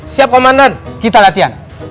siap komandan kita latihan